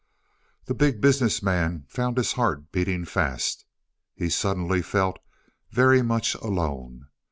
The Big Business Man found his heart beating fast. He suddenly felt very much alone.